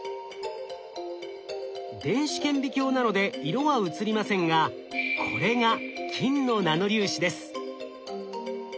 電子顕微鏡なので色は写りませんがこれが金のナノ粒子です。